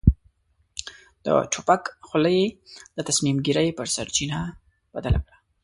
د توپک خوله يې د تصميم ګيرۍ په سرچينه بدله کړه.